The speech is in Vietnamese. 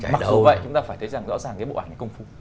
mặc dù vậy chúng ta phải thấy rõ ràng cái bộ ảnh này công phục